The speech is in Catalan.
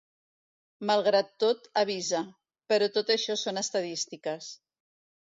Malgrat tot, avisa: Però tot això són estadístiques.